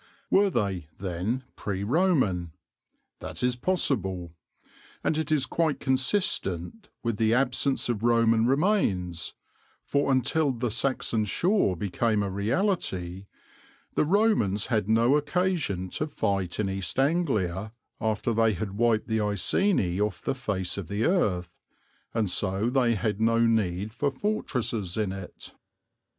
Were they, then, pre Roman? That is possible; and it is quite consistent with the absence of Roman remains, for until the Saxon shore became a reality, the Romans had no occasion to fight in East Anglia after they had wiped the Iceni off the face of the earth, and so they had no need for fortresses in it.